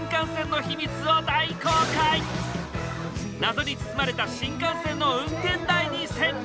謎に包まれた新幹線の運転台に潜入。